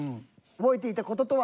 覚えていた事とは？